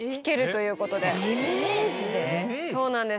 そうなんです。